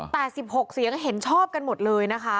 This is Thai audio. แต่๑๖เสียงเห็นชอบกันหมดเลยนะคะ